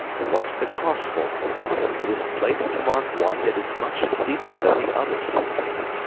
What's the cross for? It is placed to mark one that is much deeper than the others."